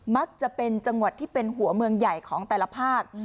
มักจะเป็นจังหวัดที่เป็นหัวเมืองใหญ่ของแต่ละภาค